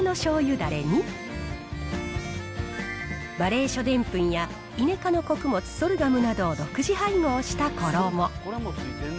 だれに、ばれいしょでんぷんやイネ科の穀物、ソルガムなどを独自配合した衣。